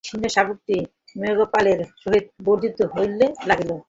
সিংহশাবকটি মেষপালের সহিত বর্ধিত হইতে লাগিল।